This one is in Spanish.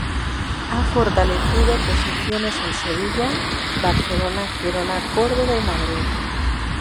Ha fortalecido posiciones en Sevilla, Barcelona, Gerona, Córdoba y Madrid.